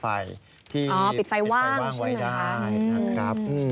อ๋อปิดไฟว่างใช่ไหมคะนะครับอืมอ๋อปิดไฟว่างใช่ไหมคะ